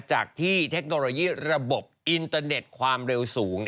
จากที่เทคโนโลยีระบบอินเตอร์เน็ตความเร็วสูง